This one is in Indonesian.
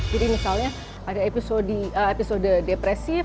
jadi misalnya ada episode depresif